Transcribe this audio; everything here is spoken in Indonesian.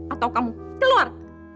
atau kamu keluar